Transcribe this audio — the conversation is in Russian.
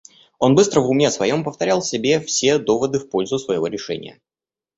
Он быстро в уме своем повторял себе все доводы в пользу своего решения.